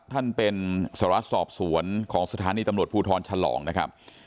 ท่านเป็นสหรัฐสอบสวนของสถานีตำรวจภูทรฉลองนะครับ